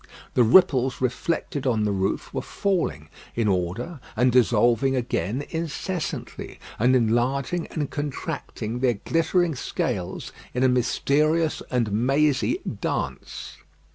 The ripples reflected on the roof were falling in order and dissolving again incessantly, and enlarging and contracting their glittering scales in a mysterious and mazy dance.